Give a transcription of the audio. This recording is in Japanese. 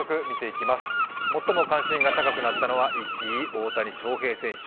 最も関心が高くなったのは１位、大谷翔平選手